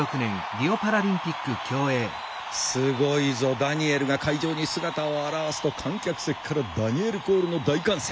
すごいぞダニエルが会場に姿を現すと観客席からダニエルコールの大歓声！